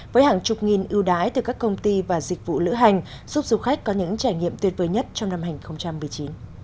với hàng chục nghìn ưu đái từ các công ty và dịch vụ lữ hành giúp du khách có những trải nghiệm tuyệt vời nhất trong năm hai nghìn một mươi chín